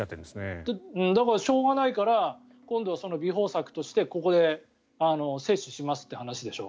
だから、しょうがないから今度は弥縫策としてここで接種しますという話でしょ。